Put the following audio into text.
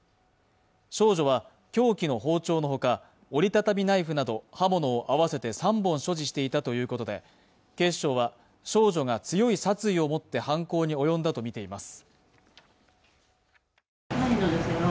少女は凶器の包丁のほか折り畳みナイフなど刃物を合わせて３本所持していたということで警視庁は、少女が強い殺意を持って犯行に及んだとみています。